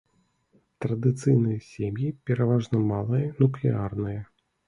Традыцыйныя сем'і пераважна малыя нуклеарныя.